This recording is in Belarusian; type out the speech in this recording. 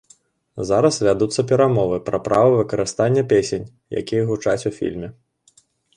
Зараз вядуцца перамовы пра права выкарыстання песень, якія гучаць у фільме.